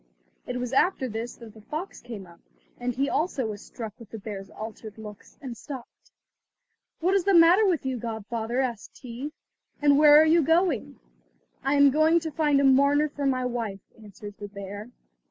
It was after this that the fox came up, and he also was struck with the bear's altered looks, and stopped. "What is the matter with you, godfather?" asked he, "and where are you going?" "I am going to find a mourner for my wife," answered the bear.